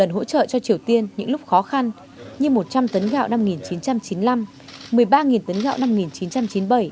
việt nam cũng đã nhiều lần hỗ trợ cho triều tiên những lúc khó khăn như một trăm linh tấn gạo năm một nghìn chín trăm chín mươi năm một mươi ba tấn gạo năm một nghìn chín trăm chín mươi bảy